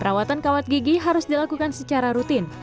perawatan kawat gigi harus dilakukan secara rutin